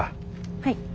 はい。